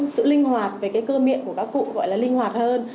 sự linh hoạt về cái cơ miệng của các cụ gọi là linh hoạt hơn